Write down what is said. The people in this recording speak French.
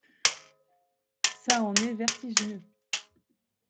Ça en est vertigineux.